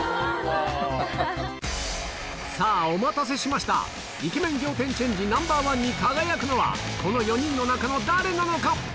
さぁお待たせしましたイケメン仰天チェンジＮｏ．１に輝くのはこの４人の中の誰なのか？